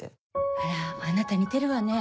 あらあなた似てるわねぇ